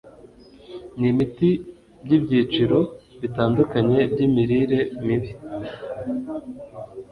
n'imiti by'ibyiciro bitandukanye by'imirire mibi